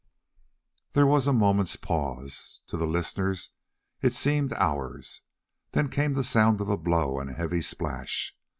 There was a moment's pause, to the listeners it seemed hours. Then came the sound of a blow and a heavy splash.